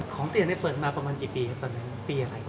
ของเตี๋ยวล้าเกี่ยวกับปักปัปตันตอนนี้ต่ำได้ไหม